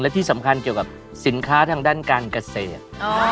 ที่สำคัญเกี่ยวกับสินค้าทางด้านการเกษตร